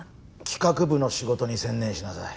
企画部の仕事に専念しなさい。